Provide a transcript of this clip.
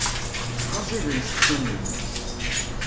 D aẓidan seksu-nnem.